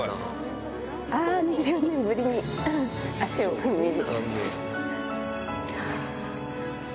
ああ、２４年ぶりに足を踏み入れる。